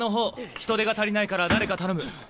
人手が足りないから誰か頼む。